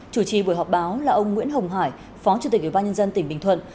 chủ trì buổi họp báo là ông nguyễn hồng hải phó chủ tịch ủy ban nhân dân tỉnh bình thuận